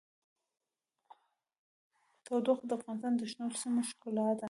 تودوخه د افغانستان د شنو سیمو ښکلا ده.